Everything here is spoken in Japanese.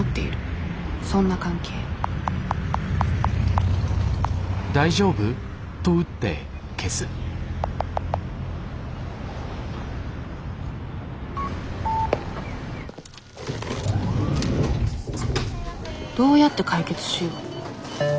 そんな関係どうやって解決しよう。